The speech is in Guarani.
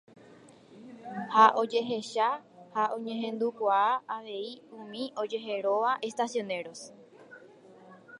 ha ojehecha ha oñehendukuaa avei umi ojeheróva Estacioneros